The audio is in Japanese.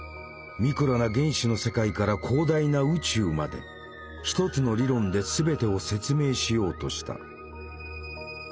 ミクロな原子の世界から広大な宇宙まで一つの理論で全てを説明しようとした。